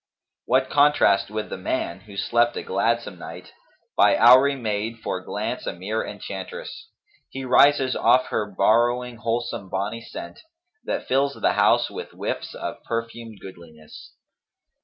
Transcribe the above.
What contrast wi' the man, who slept a gladsome night * By Houri maid for glance a mere enchanteress, He rises off her borrowing wholesome bonny scent; * That fills the house with whiffs of perfumed goodliness.